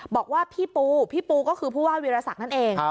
บอกว่าพี่ปูพี่ปูก็คือผู้ว่าวิรสักนั่นเอง